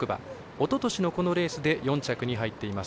おととしの、このレースで４着に入っています。